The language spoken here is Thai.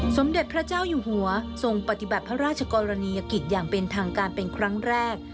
สมเด็จพระเจ้าอยู่หัวทรงปฏิบัติพระราชกรณียกิจอย่างเป็นทางการเป็นครั้งแรก